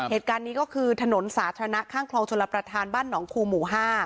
เหตุการณ์นี้ก็คือถนนสาธารณะข้างคลองชลประธานบ้านหนองคูหมู่๕